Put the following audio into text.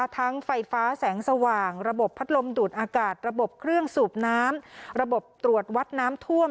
ไฟฟ้าแสงสว่างระบบพัดลมดูดอากาศระบบเครื่องสูบน้ำระบบตรวจวัดน้ำท่วม